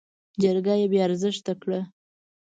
جرګه يې بې ارزښته کړه.